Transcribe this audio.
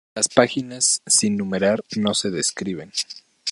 Las páginas sin numerar no se describen.